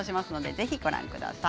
ぜひご覧ください。